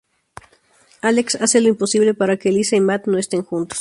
Alex hace lo imposible para que Lisa y Matt no esten juntos.